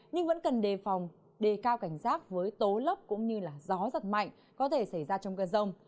nhưng vẫn cần đề phòng đề cao cảnh giác với tố lốc cũng như gió giật mạnh có thể xảy ra trong cơn rông